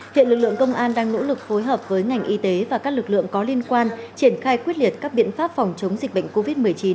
hiện lực lượng công an đang nỗ lực phối hợp với ngành y tế và các lực lượng có liên quan triển khai quyết liệt các biện pháp phòng chống dịch bệnh covid một mươi chín